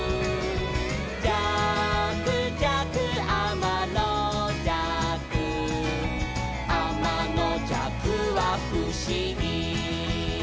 「じゃくじゃくあまのじゃく」「あまのじゃくはふしぎ」